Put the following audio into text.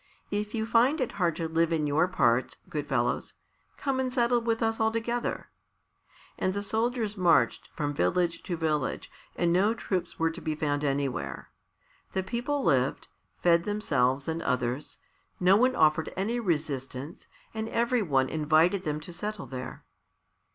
"If you find it hard to live in your parts, good fellows, come and settle with us altogether." And the soldiers marched from village to village and no troops were to be found anywhere; the people lived, fed themselves and others; no one offered any resistance and every one invited them to settle there.